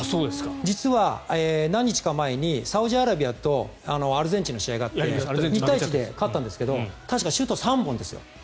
実は、何日か前にサウジアラビアとアルゼンチンの試合があって２対１で勝ったんですけど確か、シュート３本ですよ。